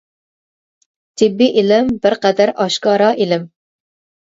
تېببىي ئىلىم بىر قەدەر ئاشكارا ئىلىم.